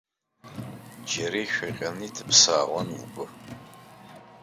Џьара ишәаҟьаны иҭыԥсаауан лгәы.